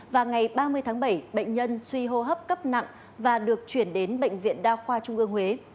và ngày ba mươi tháng bảy bệnh nhân suy hô hấp cấp nặng và được chuyển đến bệnh viện đa khoa trung ương huế